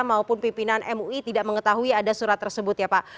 maupun pimpinan mui tidak mengetahui ada surat tersebut ya pak